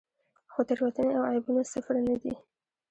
خو تېروتنې او عیبونه صفر نه دي.